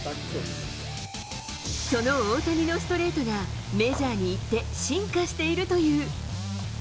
その大谷のストレートが、メジャーに行って進化しているという。